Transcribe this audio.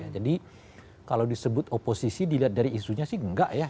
kalau disebut oposisi dilihat dari isunya sih enggak ya